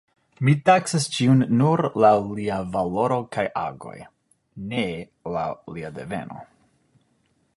Mi taksas ĉiun nur laŭ lia valoro kaj agoj, ne laŭ lia deveno.